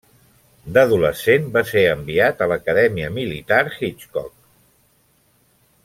D'adolescent va ser enviat a l'Acadèmia Militar Hitchcock.